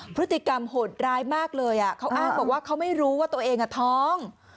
พฤติกรรมโหดร้ายมากเลยเขาอ้างบอกว่าเขาไม่รู้ว่าตัวเองท้อง